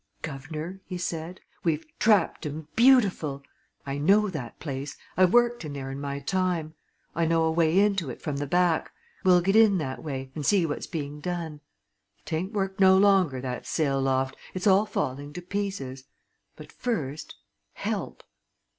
"Guv'nor!" he said. "We've trapped 'em beautiful! I know that place I've worked in there in my time. I know a way into it, from the back we'll get in that way and see what's being done. 'Tain't worked no longer, that sail loft it's all falling to pieces. But first help!"